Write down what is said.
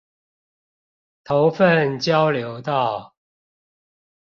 頭份交流道